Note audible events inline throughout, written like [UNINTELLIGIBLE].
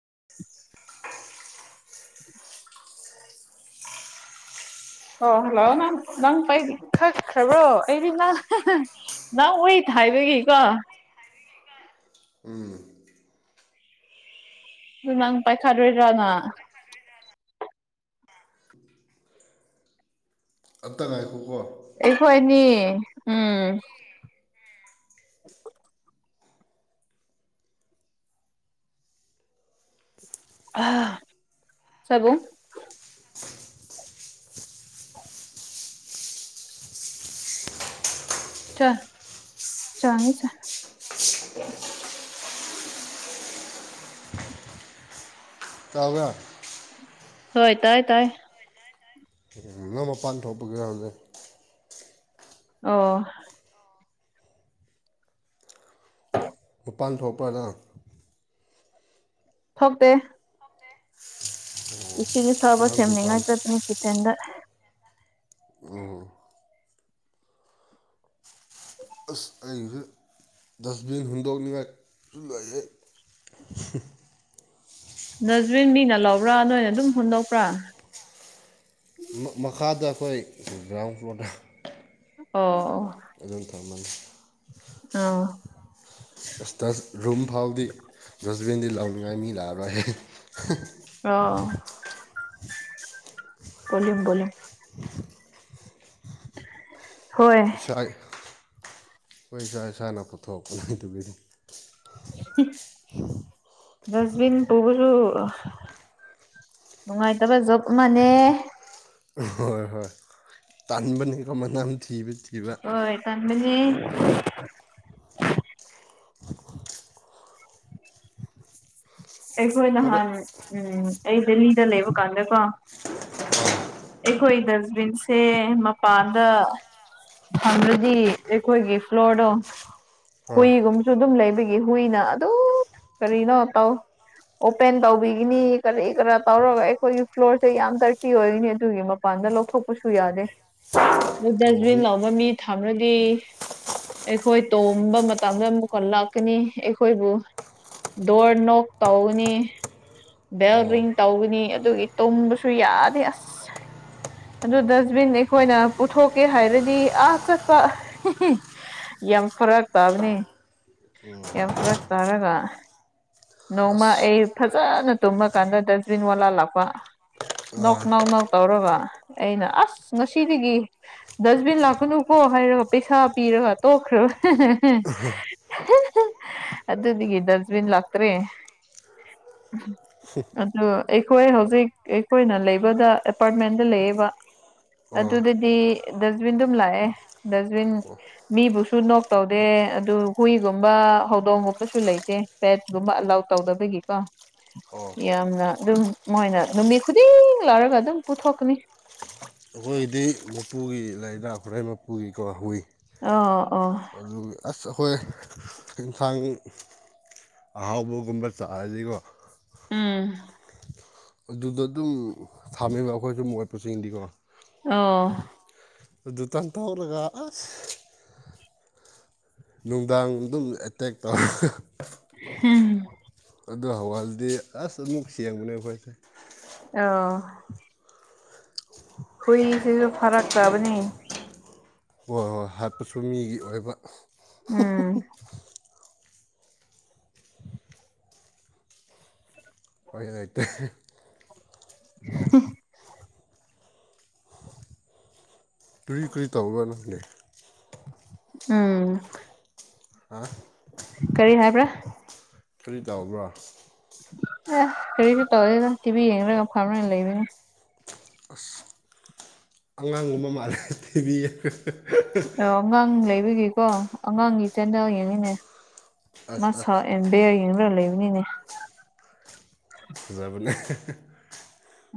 [INAUDIBLE] [INAUDIBLE] ꯑꯣ ꯍꯜꯂꯣ ꯅꯪ ꯅꯪ ꯄꯈꯈ꯭ꯔꯕ꯭ꯔꯣ ꯑꯩꯗꯤ ꯅ ꯅ ꯎ ꯏ ꯊꯥꯏꯕꯒ ꯀ ꯎꯝ ꯅꯪ ꯄꯥꯏꯈꯥꯗꯣꯏꯗ꯭ꯔꯥꯅ ꯈꯒ ꯌꯥ [INAUDIBLE] ꯑꯇ ꯉꯥꯏꯈꯣꯀꯣ ꯑꯩꯈꯣꯏꯅꯤ ꯎꯝ ꯑ ꯁꯕꯨ ꯆ ꯆꯥꯡꯉ ꯆ ꯇꯥꯕ ꯍꯣꯏ ꯇꯥꯏ ꯇꯥꯏ ꯌꯥꯝꯅ ꯃꯄꯥꯟ ꯊꯣꯛꯄꯒꯔ ꯍꯧꯖꯤꯦ ꯑꯣ ꯃꯄꯥꯟ ꯊꯣꯛꯄꯅ ꯊꯣꯛꯇꯦ ꯏꯁꯤꯡ ꯑꯁꯥꯕ ꯅꯪ ꯗꯨꯀꯥꯟ ꯁꯦꯝꯅꯤꯡꯉꯥꯏ ꯆꯠꯄꯅꯤ ꯀꯤꯠꯆꯟꯗ ꯑꯩꯁꯨ ꯗꯁꯕꯤꯟ ꯍꯨꯟꯗꯣꯛꯅꯤꯡꯉꯥꯏꯁꯨ ꯂꯩꯌꯦ ꯗꯁꯕꯤꯟ ꯃꯤꯅ ꯂꯧꯕ꯭ꯔꯥ ꯅꯣꯏꯅ ꯑꯗꯨꯝ ꯍꯨꯟꯗꯣꯛꯄ꯭ꯔꯥ ꯃꯈꯥꯗ ꯑꯩꯈꯣꯏ ꯒ꯭ꯔꯥꯎꯟ ꯐ꯭ꯂꯣꯔꯗ ꯑꯣ ꯑꯗꯨꯝ ꯊꯧꯃꯅꯤ ꯑꯥꯎ ꯑꯁ ꯔꯨꯝ ꯐꯥꯎꯗꯤ ꯗꯁꯕꯤꯟꯗꯤ ꯂꯥꯎꯅꯤꯡꯉꯥꯏ ꯃꯤ ꯂꯥꯛꯑꯔꯣꯏ ꯑꯣ ꯀꯣꯝꯣꯝ ꯍꯣꯏ ꯏꯁꯥ ꯍꯈꯣꯏ ꯏꯁꯥ ꯏꯁꯥꯅ ꯄꯨꯊꯣꯛꯄꯅꯤ ꯑꯗꯨꯕꯤꯅꯤ ꯗꯁꯕꯤꯤꯟ ꯄꯔ ꯅꯨꯡꯉꯥꯏꯇꯕ ꯕ ꯃꯅꯦ ꯍꯣꯏ ꯍꯣꯏ ꯇꯥꯟꯕꯅꯤꯀꯣ ꯃꯅꯝ ꯊꯤꯕꯗꯤ ꯍꯣꯏ ꯇꯥꯟ ꯃ ꯑꯩꯈꯣꯏ ꯈꯔ ꯅꯍꯥꯟ ꯎꯝ ꯑꯩ ꯗꯦꯜꯂꯤꯗ ꯂꯩꯕ ꯀꯥꯟꯗꯀꯣ ꯑꯩꯈꯣꯏ ꯗꯁꯕꯤꯟꯁꯦ ꯃꯄꯥꯟꯗ ꯍꯕꯗꯤ ꯑꯩꯈꯣꯏꯒꯤ ꯐ꯭ꯂꯣꯔꯗꯣ ꯑꯥ ꯍꯨꯏꯒꯨꯝꯁꯨ ꯑꯗꯨꯝ ꯂꯩꯕꯒꯤ ꯍꯨꯏꯅ ꯑꯗꯨꯝ ꯀꯔꯤꯅꯣ ꯇꯧ ꯑꯣꯄꯦꯟ ꯇꯧꯕꯤꯒꯅꯤ ꯀꯔꯤ ꯀꯔꯥ ꯇꯧꯔꯒ ꯑꯩꯈꯣꯏꯒꯤ ꯐ꯭ꯂꯣꯔꯁꯦ ꯌꯥꯝ ꯗꯔꯇꯤ ꯑꯣꯏꯒꯅꯤ ꯑꯗꯨꯒꯤ ꯃꯄꯥꯟꯗ ꯂꯧꯊꯣꯛꯄꯁꯨ ꯌꯥꯗꯦ ꯅ ꯑꯣ ꯗꯁꯕꯤꯟ ꯂꯥꯛ ꯑꯃ ꯃꯤ ꯊꯥꯂꯗꯤ ꯑꯩꯈꯣꯏ ꯇꯣꯝꯕ ꯃꯇꯝꯗ ꯑꯃꯨꯛ ꯀꯣꯟ ꯂꯥꯛꯀꯅꯤ ꯑꯩꯈꯣꯏꯕꯨ ꯗꯧꯣꯔ ꯅꯣꯛ ꯇꯧꯅꯤ ꯕꯦꯜ ꯑꯣ ꯔꯤꯡ ꯇꯧꯒꯅꯤ ꯑꯗꯨꯒꯤ ꯇꯨꯝꯕꯁꯨ ꯌꯥꯗꯦ ꯑꯁ ꯑꯗꯨ ꯗꯁꯕꯤꯟ ꯑꯩꯈꯣꯏꯅ ꯄꯨꯊꯣꯛꯀꯦ ꯍꯥꯏꯔꯗꯤ ꯑꯥ ꯆꯠꯄ ꯌꯥꯝ ꯐꯔꯛ ꯇꯥꯕꯅꯤ ꯌꯥꯝ ꯐꯔꯛ ꯇꯥꯔꯒ ꯅꯣꯡꯃ ꯑꯩ ꯑꯁ ꯐꯖꯅ ꯇꯨꯝꯃ ꯀꯥꯟꯗ ꯗꯁꯕꯤꯟ ꯋꯥꯂꯥ ꯂꯥꯛꯄ ꯅꯣꯛ ꯑꯥ ꯅꯣꯛ ꯅꯣꯛ ꯇꯧꯔꯒ ꯑꯩꯅ ꯑꯁ ꯉꯁꯤꯗꯒꯤ ꯗꯁꯕꯤꯟ ꯂꯥꯛꯀꯅꯨꯀꯣ ꯍꯥꯏꯔꯒ ꯄꯩꯁꯥ ꯄꯤꯔꯒ ꯇꯣꯛꯈ꯭ꯔꯕ ꯑꯗꯨꯗꯒꯤ ꯗꯁꯕꯤꯟ ꯂꯥꯛꯇ꯭ꯔꯦ ꯑꯗꯨ ꯑꯩꯈꯣꯏ ꯍꯧꯖꯤꯛ ꯑꯩꯈꯣꯏꯅ ꯂꯩꯕꯗ ꯑꯦꯄꯥꯔꯠꯃꯦꯟꯗ ꯂꯩꯌꯦꯕ ꯑꯥ ꯑꯗꯨꯗꯗꯤ ꯗꯁꯕꯤꯟꯗꯨꯝ ꯂꯥꯛꯑꯦ ꯗꯁꯕꯤꯟ ꯃꯤꯕꯨꯁꯨ ꯅꯣꯛ ꯇꯧꯗꯦ ꯑꯗꯨ ꯍꯨꯏꯒꯨꯝꯕ ꯍꯧꯗꯣꯡꯒꯨꯝꯕꯁꯨ ꯂꯩꯇꯦ ꯐꯦꯠ ꯑꯗꯨꯨꯝꯝꯕ ꯑꯂꯥꯎ ꯇꯧꯗꯕꯒꯤꯀꯣ ꯑꯣ ꯌꯥꯝꯅ ꯑꯗꯨꯝ ꯃꯣꯏꯅ ꯅꯨꯃꯤꯠ ꯈꯨꯗꯤꯡ ꯂꯧꯔꯒ ꯑꯗꯨꯝ ꯄꯨꯊꯣꯛꯀꯅꯤ ꯑꯩꯈꯣꯏꯒꯤꯗꯤ ꯃꯄꯨꯒꯤ ꯂꯥꯏꯔꯤꯗ ꯈꯨꯔꯩ ꯃꯄꯨꯒꯤꯀꯣ ꯍꯨꯏ ꯑ ꯑꯣ ꯑꯗꯨ ꯑꯁ ꯑꯩꯈꯣꯏ ꯑꯦꯟꯁꯥꯡ ꯑꯍꯥꯎꯕꯒꯨꯝꯕ ꯆꯥꯂꯗꯤꯀꯣ ꯎꯝ ꯑꯗꯨꯗ ꯑꯗꯨꯝ ꯊꯥꯝꯃꯦꯕ ꯑꯩꯈꯣꯏ ꯁꯨꯝ ꯃꯠꯄ ꯆꯤꯡꯗꯤꯀꯣ ꯑꯣ ꯑꯗꯨꯇꯥꯟꯊꯧꯔꯒ ꯑꯁ ꯅꯨꯡꯗꯥꯡ ꯑꯗꯨꯝ ꯑꯦꯇꯦꯛ ꯇꯧꯔꯒ ꯍꯝ ꯑꯗꯨ ꯍꯧꯍꯜꯗꯤ ꯑꯁ ꯑꯃꯨꯛ ꯁꯦꯡꯕꯅꯦ ꯑꯩꯈꯣꯏꯁꯦ ꯑꯣ ꯍꯨꯏꯁꯤꯁꯨ ꯐꯔꯛꯇꯕꯅꯤ ꯍꯣꯏ ꯍꯣꯏ ꯍꯥꯠꯄꯁꯨ ꯃꯤꯒꯤ ꯑꯣꯏꯕ ꯎꯝ ꯑꯣꯏ ꯑꯣꯏꯇꯦ [UNINTELLIGIBLE] ꯀꯔꯤ ꯀ꯭ꯔꯤ ꯇꯧꯕ꯭ꯔ ꯅꯪꯗꯤ ꯎꯝ ꯍꯥ ꯀꯔꯤ ꯍꯥꯏꯕ꯭ꯔꯥ ꯀꯔꯤ ꯇꯥꯕ꯭ꯔꯥ ꯑꯦ ꯀꯔꯤꯁꯨ ꯇꯧꯗꯦꯗ ꯇꯤꯚꯤ ꯌꯦꯡꯂꯒ ꯐꯝꯂꯒ ꯂꯩꯕꯅꯤ ꯑꯁ ꯑꯉꯥꯡꯒꯨꯝꯕ ꯃꯥꯜꯂꯦ ꯊꯤꯕꯤꯌꯦ ꯍꯍ ꯑꯣ ꯑꯉꯥꯡ ꯂꯩꯕꯒꯤꯀꯣ ꯑꯉꯥꯡꯒꯤ ꯆꯦꯅꯦꯜ ꯌꯦꯡꯉꯤꯅꯦ ꯃꯥ ꯑꯁ ꯑꯁ ꯁꯛꯑꯦ ꯕꯤꯌꯔ ꯌꯦꯡꯔ ꯂꯩꯕꯅꯤꯅꯦ ꯐꯖꯕꯅꯦ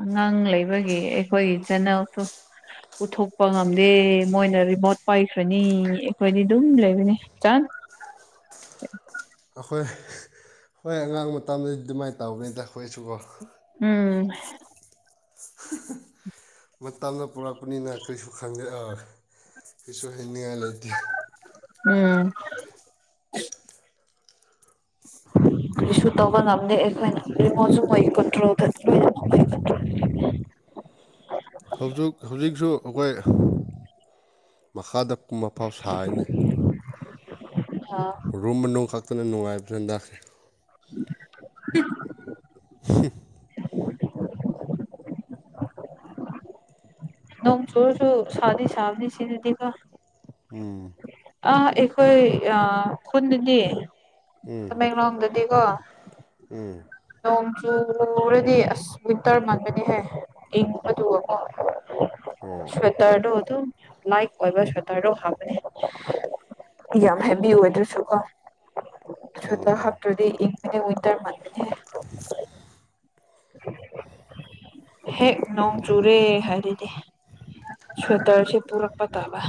ꯑꯉꯥꯡ ꯂꯩꯕꯒꯤ ꯑꯩꯈꯣꯏꯒꯤ ꯆꯦꯅꯦꯜ ꯐꯨ ꯎꯊꯣꯛꯄ ꯉꯝꯗꯦ ꯃꯣꯏꯅ ꯔꯤꯃꯣꯠ ꯄꯥꯏꯈ꯭ꯔꯅꯤ ꯑꯩꯈꯣꯏꯗꯤ ꯑꯗꯨꯝ ꯂꯩꯕꯅꯤ ꯆꯟ ꯑꯩꯈꯣꯏ ꯍꯣꯏ ꯑꯉꯥꯡ ꯃꯇꯝꯗꯗꯤ ꯑꯗꯨꯃꯥꯏꯅ ꯇꯧꯕꯅꯤꯗ ꯑꯩꯈꯣꯏꯁꯨꯀꯣ ꯎꯝ ꯍꯍꯍ [UNINTELLIGIBLE] ꯃꯇꯝꯅ ꯄꯨꯔꯛꯄꯅꯤꯅ ꯀꯔꯤꯁꯨ ꯈꯪꯗꯦ ꯑ ꯀꯩꯁꯨ ꯍꯅꯤꯡꯉꯥꯏ ꯂꯩꯇꯦ ꯎꯝ ꯀ꯭ꯔꯤꯁꯨ ꯇꯧꯕ ꯉꯝꯗꯦ ꯑꯩꯈꯣꯏꯅ ꯔꯤꯃꯣꯠꯁꯨ ꯃꯣꯏꯒꯤ ꯀꯟꯇ꯭ꯔꯣꯜꯗꯅꯤ ꯍꯧꯖꯤꯛ ꯍꯧꯖꯤꯛꯁꯨ ꯑꯩꯈꯣꯏ ꯃꯈꯥꯗ ꯄꯨꯝꯕ ꯃꯄꯥꯜ ꯁꯥꯌꯦꯅꯦ ꯑꯥ ꯔꯨꯝ ꯃꯅꯨꯡ ꯈꯛꯇꯅ ꯅꯨꯡꯉꯥꯏꯕ꯭ꯔꯅꯦ [UNINTELLIGIBLE] ꯅꯣꯡ ꯆꯨꯔꯁꯨ ꯁꯥꯗꯤ ꯁꯥꯕꯅꯤ ꯁꯤꯗꯗꯤꯀꯣ ꯎꯝ ꯑ ꯑꯩꯈꯣꯏ ꯑ ꯈꯨꯟꯗꯗꯤ ꯇꯃꯦꯡꯂꯣꯡꯗꯗꯤꯀꯣ ꯎꯝ ꯅꯣꯡ ꯆꯨꯨꯔꯗꯤ ꯑꯁ ꯋꯤꯟꯇꯔ ꯃꯟꯒꯅꯤ ꯍꯦ ꯏꯪ ꯑꯗꯨꯒꯀꯣ ꯑꯣ ꯁ꯭ꯋꯦꯇꯔꯗꯣ ꯑꯗꯨꯝ ꯂꯥꯏꯛ ꯑꯣꯏꯕ ꯁ꯭ꯋꯦꯇꯔꯗꯣ ꯍꯥꯞꯄꯅꯦ ꯌꯥꯝ ꯍꯥꯏꯕꯤꯌꯨ ꯋꯦꯗꯔꯁꯨ ꯀꯣ ꯑꯣ ꯁ꯭ꯋꯦꯇꯔ ꯑꯣ ꯍꯥꯞꯇ꯭ꯔꯗꯤ ꯏꯪꯕꯅꯦ ꯋꯤꯟꯇꯔ ꯃꯥꯟꯕꯅꯦꯍꯦ ꯍꯦꯛ ꯅꯣꯡ ꯆꯨꯔꯦ ꯍꯥꯏꯗꯨꯗꯤ ꯁꯇꯔꯁꯦ ꯇꯔꯛꯄ ꯇꯕ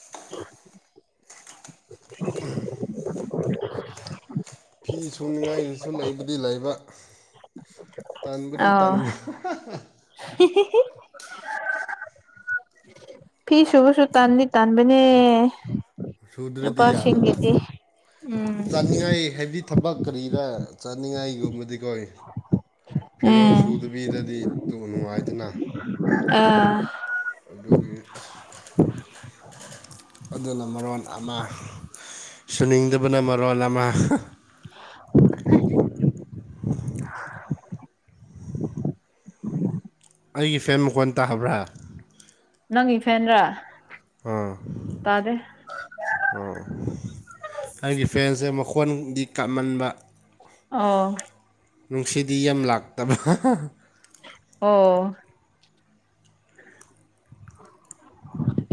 [UNINTELLIGIBLE] ꯐꯤ ꯁꯨꯅꯤꯡꯉꯥꯏꯁꯨ ꯂꯩꯕꯨꯗꯤ ꯂꯩꯕ ꯇꯥꯟꯕꯕꯨꯗꯤ ꯇꯟ ꯁꯤ ꯐꯤꯁꯨꯕꯁꯨ ꯇꯥꯟꯅꯤ ꯇꯥꯟꯥꯟꯕꯕꯅꯦ ꯁꯨꯗ꯭ꯔꯗꯤ ꯌꯥꯗꯕ ꯎꯝ ꯆꯥꯅꯤꯡꯉꯥꯏ ꯍꯥꯏꯕꯗꯤ ꯊꯕꯛ ꯀꯔꯤꯗ ꯆꯠꯅꯤꯡꯉꯥꯏꯒꯨꯝꯕꯗꯤ ꯀꯣꯏ ꯐꯤꯔꯣꯜ ꯎꯝ ꯁꯨꯗꯕꯤꯗꯗꯤ ꯅꯨꯡꯉꯥꯏꯇꯅ ꯑ ꯑꯗꯨꯒꯤ [INAUDIBLE] ꯑꯗꯨꯅ ꯃꯔꯣꯟ ꯑꯃ ꯁꯨꯅꯤꯡꯗꯕꯅ ꯃꯔꯣꯟ ꯑꯃ [INAUDIBLE] [INAUDIBLE] ꯑꯩꯒꯤ ꯐꯦꯟ ꯃꯀꯣꯟ ꯇꯥꯕ꯭ꯔꯥ ꯅꯪꯒꯤ ꯐꯦꯟꯂ ꯇꯥꯗ꯭ꯔꯦ ꯑꯥ ꯑꯩꯒꯤ ꯐꯦꯟꯁꯦ ꯃꯈꯣꯟꯗꯤ ꯀꯥꯟꯃꯟꯕ ꯑꯣ ꯅꯨꯡꯁꯤꯗꯤ ꯌꯥꯝ ꯂꯥꯛꯇꯕ ꯍꯥꯍꯥꯍ ꯑꯣ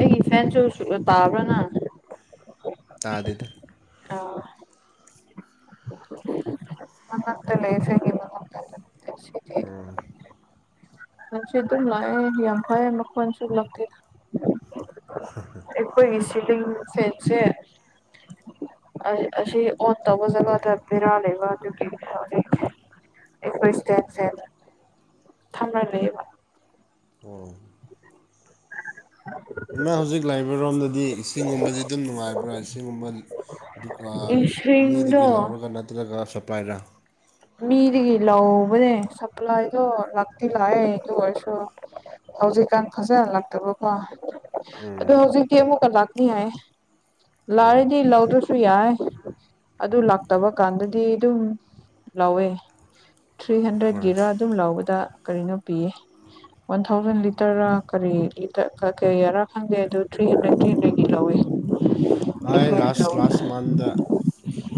ꯑꯩꯒꯤ ꯐꯦꯟꯁꯨ ꯇꯥꯕ꯭ꯔꯅ ꯇꯥꯗꯗ ꯑꯥ ꯃꯠꯇ ꯂꯩꯁ ꯎ ꯃꯁꯤꯦꯗꯨ ꯂ ꯌꯥꯝꯐ ꯃꯈ ꯃꯣꯟꯁꯤ ꯂ ꯏ ꯏꯁꯤꯗꯤ ꯁꯦꯆꯦ ꯑꯁꯤ ꯑꯣ ꯇꯕꯨꯖꯒꯗꯅꯤꯔꯥ ꯂꯩꯦꯒ ꯑꯗꯨ ꯑꯩꯈꯣꯏ ꯁꯇꯦꯟꯁꯦꯠ ꯊꯝꯅ ꯂꯩꯕ ꯑꯣ ꯏꯃꯥ ꯍꯧꯖꯤꯛ ꯂꯥꯛꯏꯕꯔꯣꯝꯗꯗꯤ ꯏꯁꯤꯡꯒꯨꯝꯕꯁꯤ ꯑꯗꯨꯝ ꯅꯨꯡꯉꯥꯏꯕ꯭ꯔꯥ ꯏꯁꯤꯡꯒꯨꯝꯕ ꯗꯨꯀꯥꯟ ꯏꯁꯤꯡꯗꯣ ꯃꯤꯗꯒꯤ ꯂꯧꯔꯒ ꯅꯠꯇ꯭ꯔꯒ ꯁꯄꯥꯏꯔꯥ ꯃꯤꯗꯒꯤ ꯂꯧꯕꯅꯦ ꯁꯄ꯭ꯂꯥꯏꯗꯣ ꯂꯥꯛꯇꯤ ꯂꯥꯛꯑꯦ ꯑꯗꯨ ꯑꯣꯏꯔꯁꯨ ꯍꯧꯖꯤꯛꯀꯥꯟ ꯐꯖꯂꯛꯇꯕꯀꯣ ꯑꯗꯨ ꯍꯧꯖꯤꯛꯇꯤ ꯑꯃꯨꯛꯀ ꯂꯥꯛꯅꯤ ꯍꯥꯏ ꯑꯣ ꯂꯥꯛꯔꯗꯤ ꯂꯧꯗ꯭ꯔꯁꯨ ꯌꯥꯏ ꯑꯗꯨ ꯂꯥꯛꯇꯕ ꯀꯥꯟꯗꯗꯤ ꯑꯗꯨꯝ ꯂꯥꯎꯋꯦ ꯊ꯭ꯔꯤ ꯍꯣꯏ ꯍꯟꯗ꯭ꯔꯦꯠꯀꯤꯔꯥ ꯑꯗꯨꯝ ꯂꯧꯕꯗ ꯀꯔꯤꯅꯣ ꯄꯤꯌꯦ ꯋꯥꯟ ꯊꯥꯎꯖꯟ ꯂꯤꯇꯔ ꯀꯔꯤ ꯂꯤꯇ ꯀꯩ ꯌꯥꯔꯥ ꯈꯪꯗꯦ ꯑꯗꯨ ꯊ꯭ꯔꯤ ꯍꯟꯗ꯭ꯔꯦꯠ ꯊ ꯍꯟꯗ꯭ꯔꯩꯗꯤ ꯂꯧꯏꯤ ꯑꯩ ꯂꯥꯁ ꯂꯥꯁ ꯃꯟꯗ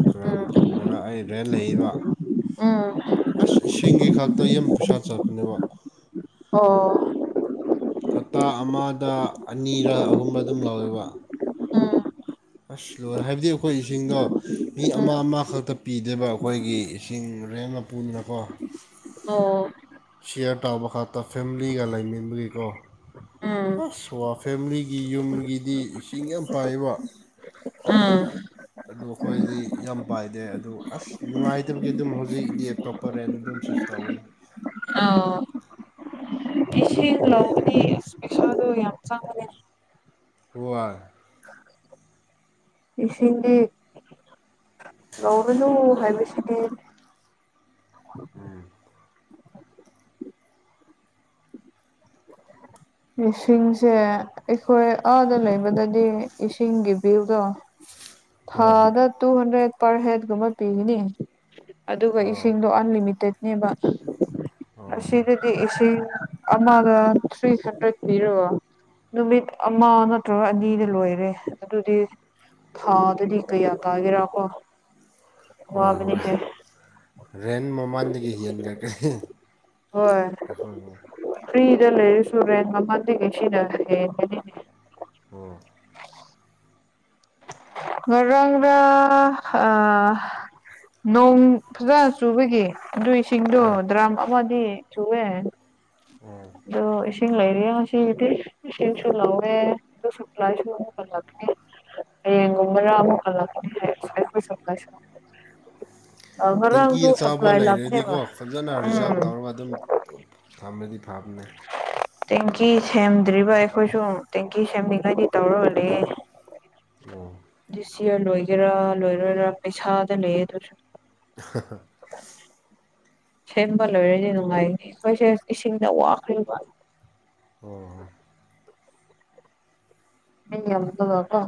ꯀꯔꯝ ꯎꯝ ꯀꯥꯟꯗꯨꯅ ꯑꯩ ꯔꯦꯟ ꯂꯩꯔꯤꯕꯕ ꯎꯝ ꯑꯁ ꯏꯁꯤꯡꯒꯤ ꯈꯥꯛꯇ ꯌꯥꯝ ꯄꯩꯁꯥ ꯆꯠꯄꯅꯦꯕ ꯑꯣ ꯍꯞꯇꯥ ꯑꯃꯗ ꯑꯅꯤꯒ ꯑꯍꯨꯝꯕ ꯑꯗꯨꯝ ꯂꯧꯋꯦꯕ ꯑꯥ ꯑꯁ ꯂꯣꯟ ꯍꯥꯏꯕꯗꯤ ꯑꯩꯈꯣꯏ ꯏꯁꯤꯡꯗꯣ ꯃꯤ ꯎꯝ ꯑꯃ ꯑꯃꯈꯛꯇ ꯄꯤꯗꯦꯕ ꯑꯩꯈꯣꯏꯒꯤ ꯏꯁꯤꯡ ꯔꯦꯝꯅ ꯄꯨꯟꯅꯀꯣ ꯑꯣ ꯁꯤꯌꯔ ꯇꯥꯕ ꯈꯛꯇ ꯐꯦꯃꯤꯂꯤꯒ ꯂꯩꯃꯤꯟꯅꯕꯒꯤꯀꯣ ꯎꯝ ꯑꯁ ꯋꯥ ꯐꯦꯃꯤꯂꯤꯒꯤ ꯌꯨꯝꯒꯤꯗꯤ ꯏꯁꯤꯡ ꯌꯥꯝ ꯄꯥꯏꯕ ꯎꯝ ꯑꯗꯨ ꯑꯩꯈꯣꯏꯗꯤ ꯌꯥꯝ ꯄꯥꯏꯗꯦ ꯑꯗꯨ ꯑꯁ ꯅꯨꯡꯉꯥꯏꯇꯕꯒꯤ ꯑꯗꯨꯝ ꯍꯧꯖꯤꯛ ꯂꯦꯞꯇꯣꯄ ꯔꯦꯟ ꯑꯗꯨꯝ ꯁꯤ ꯇꯥꯎꯟ ꯑꯣ ꯂ ꯂꯧꯗꯤꯄꯤꯦꯁꯜ ꯑꯗꯨ ꯌꯥꯝ ꯆꯥꯡ ꯇꯏ ꯄꯁꯗꯤ ꯂꯅꯨ ꯍꯥꯏꯕꯁꯤꯗꯤ ꯎꯝ ꯏꯁꯤꯡꯁꯦ ꯑꯩꯈꯣꯏ ꯑꯥꯗ ꯂꯩꯕꯗꯗꯤ ꯏꯁꯤꯡꯒꯤ ꯕꯤꯜꯒꯣ ꯍꯣꯏ ꯊꯥꯗ ꯇꯨ ꯍꯟꯗ꯭ꯔꯦꯠ ꯄꯔ ꯍꯦꯠꯒꯨꯝꯕ ꯄꯤꯒꯅꯤ ꯑꯗꯨꯒ ꯑꯥ ꯏꯁꯤꯡꯗꯣ ꯑꯟꯂꯤꯃꯤꯇꯦꯠꯅꯦꯕ ꯑꯥ ꯑꯁꯤꯗꯗꯤ ꯏꯁꯤꯡ ꯑꯃꯒꯔꯤ ꯍꯟꯗꯛꯄꯤꯔꯣ ꯅꯨꯃꯤꯠ ꯑꯃ ꯅꯠꯇ꯭ꯔꯒ ꯑꯅꯤꯗ ꯂꯣꯏꯔꯦ ꯑꯗꯨꯗꯤ ꯊꯥꯗ ꯊꯀꯩ ꯌꯥꯇꯥꯒꯔꯥꯀꯣ ꯍꯣꯏ ꯍꯣꯏ ꯔꯦꯟ ꯃꯃꯥꯡꯗꯒꯤ ꯍꯟꯈ꯭ꯔꯛꯀꯅꯤ ꯍꯣꯏ ꯐ꯭ꯔꯤꯗ ꯂꯩꯔꯁꯨ ꯔꯦꯟ ꯃꯃꯟꯗꯤ ꯀꯩ ꯁꯤꯅ ꯍꯦ ꯑꯣ ꯃꯔꯪ ꯔ ꯑ ꯅꯣꯡ ꯐꯖꯅ ꯆꯨꯕꯒꯤ ꯑꯗꯨ ꯁꯤꯁꯤꯡꯗꯣ ꯑꯥ ꯗ꯭ꯔꯈ ꯃꯥꯗꯤ ꯆꯨꯋꯦ ꯑꯣ ꯑꯗꯨꯣ ꯏꯁꯤꯡ ꯂꯩꯔꯤ ꯉꯁꯤꯗꯤ ꯃꯦꯆꯤꯟꯁꯨ ꯂꯧꯋꯦ ꯑꯗꯨ ꯁꯄ꯭ꯂꯥꯏꯁꯨ ꯑꯃ ꯍꯠꯂꯛꯅꯤ ꯍꯌꯦꯡꯒꯨꯝꯕꯅ ꯑꯃꯨꯛ ꯍꯜꯂꯄꯨ ꯁ꯭ꯂꯥꯏ ꯇꯦꯡꯀꯤ ꯑꯆꯕ ꯂꯩꯔꯗꯤꯀꯣ ꯂꯥꯛꯄꯅꯦꯕ ꯐꯖꯅ ꯔꯤꯖꯥꯕ ꯎꯝ ꯇꯧꯔꯒ ꯑꯗꯨꯝ ꯊꯝꯕꯗꯤ ꯐꯕꯅꯦ ꯇꯦꯡꯀꯤ ꯁꯦꯝꯗ꯭ꯔꯤꯕ ꯑꯩꯈꯣꯏꯁꯨ ꯇꯦꯡꯀꯤ ꯁꯦꯝꯃꯤꯉꯩꯗꯤ ꯇꯧꯔꯣꯂ ꯑꯣ ꯗꯤ ꯁꯤꯌꯥꯔ ꯂꯣꯏꯒꯦꯔꯥ ꯂꯣꯏꯔꯣꯏꯔꯥ ꯄꯩꯁꯥꯗ ꯂꯩ ꯑꯗꯨꯁꯨ [INAUDIBLE] ꯁꯦꯝꯕ ꯂꯣꯏꯔꯗꯤ ꯅꯨꯡꯉꯥꯏꯅꯤ ꯑꯩꯈꯣꯏꯁꯦ ꯏꯁꯤꯡꯗ ꯋꯥꯈ꯭ꯔꯤꯕ ꯋꯥ ꯑꯣ ꯍ ꯃꯤꯀꯣ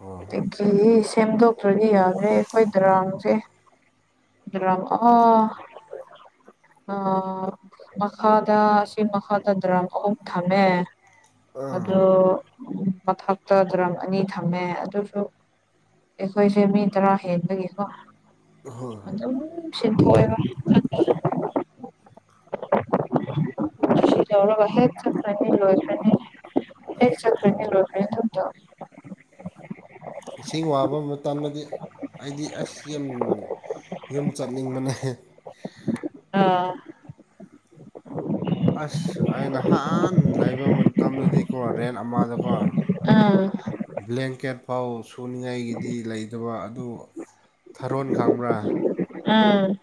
ꯑꯣ ꯑꯗꯒꯤ ꯁꯦꯝꯗꯣꯛꯇ꯭ꯔꯗꯤ ꯌꯥꯗ꯭ꯔꯦ ꯑꯩꯈꯣꯏ ꯗꯔꯥꯥꯡꯁꯦ ꯑꯗꯨ ꯑ ꯑ ꯃꯈꯥꯗ ꯑꯁꯤ ꯃꯈꯥꯗ ꯗ꯭ꯔꯝ ꯑꯍꯨꯝ ꯊꯝꯃꯦ ꯑꯣ ꯑꯥ ꯃꯊꯛꯇ ꯗ꯭ꯔꯝ ꯑꯅꯤ ꯊꯝꯃꯦ ꯑꯗꯨꯁꯨ ꯑꯩꯈꯣꯏꯁꯦ ꯃꯤ ꯇꯔꯥ ꯍꯦꯟꯕꯒꯤꯀꯣ ꯍꯣꯏ ꯑꯗꯨꯝ ꯁꯤꯟꯗꯣꯛꯑꯦꯕ ꯎ ꯁꯤ ꯍꯦ ꯆ꯭ꯔꯥꯅꯤ ꯂꯣꯏ ꯐꯅꯤ ꯍꯦꯛ ꯆꯠ꯭ꯔꯥꯅꯤ ꯎꯝ ꯂꯣꯏ ꯐꯅꯤ ꯊ ꯏꯁꯤꯡ ꯋꯥꯕ ꯃꯇꯝꯗꯗꯤ ꯑꯩꯗꯤ ꯑꯁ ꯌꯥꯝ ꯌꯨꯝ ꯆꯠꯅꯤꯡꯕꯅꯦꯛ ꯑꯥ ꯎ ꯑꯁ ꯑ ꯅꯍꯥꯟ ꯂꯩꯕ ꯃꯇꯝꯗꯗꯤꯀꯣ ꯔꯦꯟ ꯑꯃꯗꯀꯣ ꯑꯥ ꯕ꯭ꯂꯦꯡꯀꯦꯠ ꯐꯥꯎ ꯁꯨꯅꯤꯡꯉꯥꯏꯒꯤꯗꯤ ꯂꯩꯇꯕ ꯑꯗꯨ ꯊꯥꯔꯣꯟ ꯀꯥꯡꯕ꯭ꯔꯥ ꯎꯥ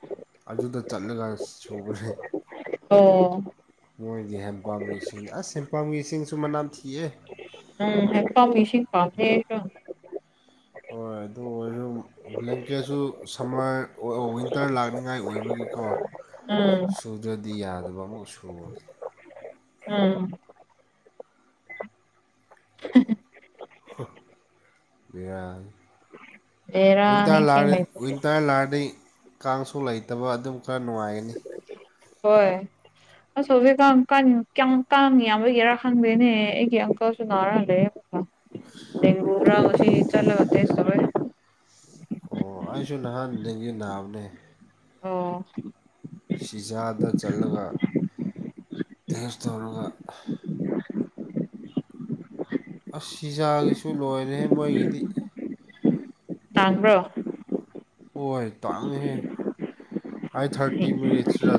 ꯑꯗꯨꯗ ꯆꯠꯂꯒ ꯁꯨ꯭ꯔꯦ ꯑꯣꯝ ꯃꯣꯏꯒꯤ ꯍꯦꯟ ꯄꯥꯝꯕꯤ ꯏꯁꯤꯡ ꯑꯁ ꯍꯦꯡ ꯄꯥꯝꯕꯤꯁꯤꯡꯁꯨ ꯃꯅꯥꯝ ꯊꯤꯑ ꯎꯝ ꯀ ꯃꯤꯁꯤ ꯄꯝ ꯍꯣꯏ ꯑꯗꯨ ꯑꯣꯏꯔꯝ ꯕ꯭ꯂꯦꯡꯀꯦꯠꯁꯨ ꯁꯝꯃꯔ ꯋꯤꯟꯇꯔ ꯂꯥꯛꯅꯤꯉꯥꯏ ꯑꯣꯏꯕꯒꯤꯀꯣ ꯎꯝ ꯁꯨꯗ꯭ꯔꯗꯤ ꯌꯥꯗꯕ ꯑꯃꯥꯎ ꯁꯨꯔ ꯑꯝ ꯔ ꯕꯦꯔꯥꯅꯤ ꯋꯟꯇꯥꯔ ꯏꯁꯤꯡ ꯂꯥꯅꯤ ꯂꯩꯇꯕꯁꯦ ꯋꯤꯟꯇꯥꯔ ꯂꯥꯅꯤ ꯀꯥꯡꯁꯨ ꯂꯩꯇꯕ ꯑꯗꯨꯝ ꯈꯔ ꯅꯨꯡꯉꯥꯏꯒꯅꯤ ꯍꯣꯏ ꯑꯁꯣꯕꯦꯀ ꯀꯌꯥꯝꯀ ꯌꯥꯝꯕꯒꯦꯔꯥ ꯈꯪꯗꯦꯅꯦ ꯑꯩꯒꯤ ꯑꯪꯀꯜꯁꯨ ꯅꯥꯔꯂꯦ ꯗꯒ ꯔꯁꯤ ꯆꯂ ꯁꯒ ꯑꯣ ꯑꯩꯁꯨ ꯅꯍꯥꯟ ꯗꯒꯤ ꯅꯥꯕꯅꯦ ꯑꯣ ꯁꯤꯖꯥꯗ ꯆꯠꯂꯒ ꯇꯦꯁ ꯇꯧꯔꯒ ꯑꯁꯤꯖꯥꯒꯤꯁꯨ ꯂꯣꯏꯔꯦ ꯃꯣꯏꯒꯤꯗꯤ ꯇꯥꯡꯕ꯭ꯔꯣ ꯍꯣꯏ ꯇꯥꯡꯉꯍꯦ ꯑꯩ ꯊꯥꯔꯇꯤ ꯃꯤꯅꯤꯠꯁ ꯔꯥ